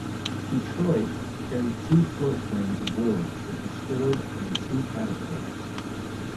"Detroit" carried two floatplanes aboard that were stored on the two catapults.